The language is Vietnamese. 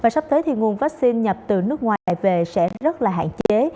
sắp tới nguồn vaccine nhập từ nước ngoài về sẽ rất hạn chế